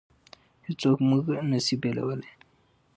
هېڅوک موږ نشي بېلولی.